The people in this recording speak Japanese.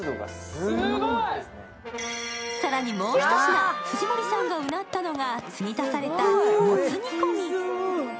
さらにもう一品藤森さんがうなったのが継ぎ足されたもつ煮込み